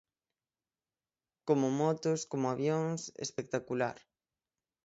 Como motos, como avións, espectacular.